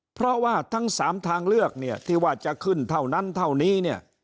เพราะว่าทั้ง๓ทางเลือกเนี่ยที่ว่าจะขึ้นเท่านั้นเท่านี้เนี่ย